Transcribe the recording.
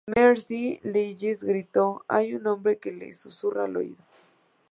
Mercy Lewis gritó: "Hay un hombre que le susurra al oído".